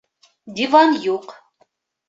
Диван юҡ